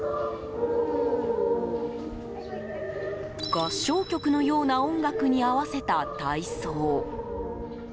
合唱曲のような音楽に合わせた体操。